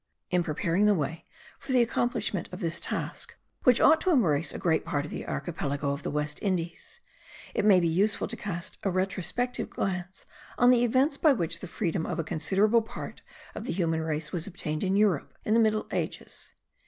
In preparing the way for the accomplishment of this task, which ought to embrace a great part of the archipelago of the West Indies, it may be useful to cast a retrospective glance on the events by which the freedom of a considerable part of the human race was obtained in Europe in the middle ages.